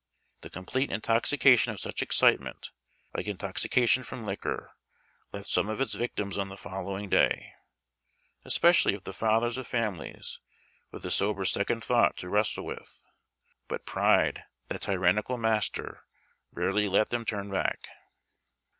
The complete intoxication of such excitement, like intoxication from liquor, left .some of its victims on the following day, especiall}' if the fathers of families, witli the sober second thought to Avrestle with ; but Pride, that tyraniucal master, rarely let them turn back.